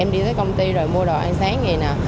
em đi tới công ty rồi mua đồ ăn sáng ngày nè